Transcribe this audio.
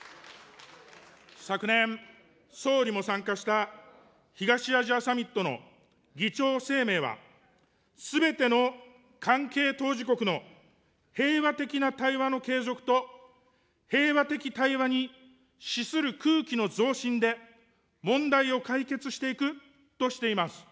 昨年、総理も参加した東アジアサミットの議長声明は、すべての関係当事国の平和的な対話の継続と平和的対話に資する空気の増進で問題を解決していくとしています。